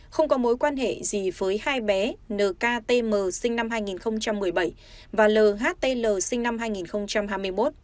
không có mối quan hệ gì với hai bé nktm sinh năm hai nghìn một mươi bảy và lhtl sinh năm hai nghìn hai mươi một